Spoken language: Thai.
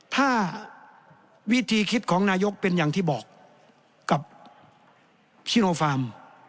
ถ้าวิธีคิดของนายกเป็นอย่างที่บอกกับชิโนฟาร์ม